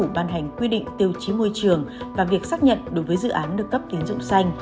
về bàn hành quy định tiêu chí môi trường và việc xác nhận đối với dự án được cấp tín dụng xanh